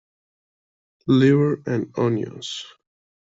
Liver and onions.